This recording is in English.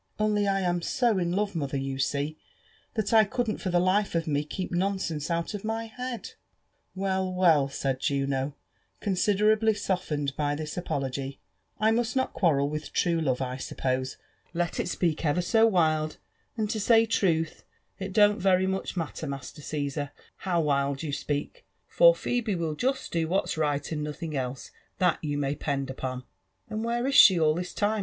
— Only I am so in love, mother, you see, that I couldn't for the life of me keep nonsense out of my head." "Well, well," said Juno, considerably softened by this apology, *' I must not quarrel with true love, I suppose, let it speak ever so r ^70 UFS AND ADVENTURBS OF wild; and to Mf truth, it don't very much matter, Master Caesar, bow wild you «peak, for Phebe will Just do wbat'g right and nolbiog else, that yon may 'pend upon/' ''And where is she all this time?"